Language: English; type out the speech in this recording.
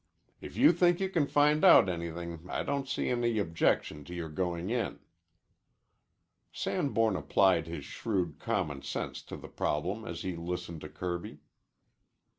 "If you think you can find out anything I don't see any objection to your going in." Sanborn applied his shrewd common sense to the problem as he listened to Kirby.